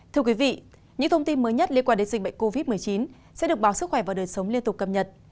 thưa quý vị những thông tin mới nhất liên quan đến dịch bệnh covid một mươi chín sẽ được báo sức khỏe và đời sống liên tục cập nhật